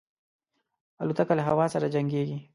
الوتکه له هوا سره جنګيږي.